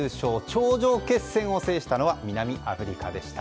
頂上決戦を制したのは南アフリカでした。